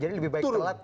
jadi lebih baik telat